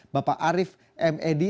bapak arief m edi